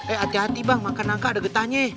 eh hati hati bang makan nangka ada getahnya